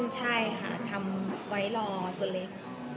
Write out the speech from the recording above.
ใช่ค่ะทำไว้รอตัวเล็ก